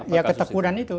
ya ketekunan itu